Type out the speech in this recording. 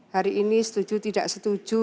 hari ini setuju tidak setuju